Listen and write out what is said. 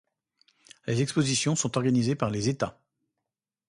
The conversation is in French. Les expositions sont organisées par les Etats.